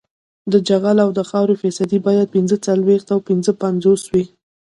د جغل او خاورې فیصدي باید پینځه څلویښت او پنځه پنځوس وي